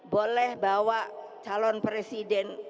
boleh bawa calon presiden